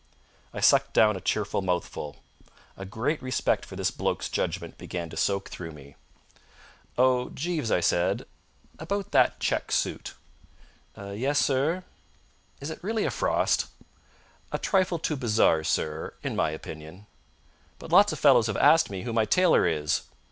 I sucked down a cheerful mouthful. A great respect for this bloke's judgment began to soak through me. "Oh, Jeeves," I said; "about that check suit." "Yes, sir?" "Is it really a frost?" "A trifle too bizarre, sir, in my opinion." "But lots of fellows have asked me who my tailor is."